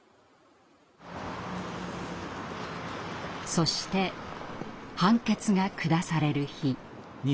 そして判決が下される日。